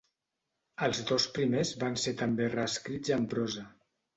Els dos primers van ser també reescrits en prosa.